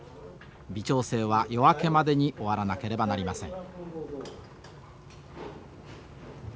微調整は夜明けまでに終わらなければなりません。